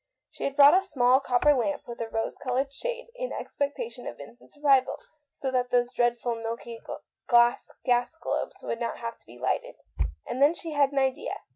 She had bought a small copper lamp, with a rose coloured shade, in expectation of Vincent's arrival so that those dreadful milky glass gas globes 156 THE STOEY OF A MODERN WOMAN. would not have to be lighted. And then she had an idea.